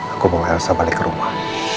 aku bawa elsa balik ke rumah